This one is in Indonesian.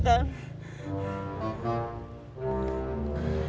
satu atau banyak siapapun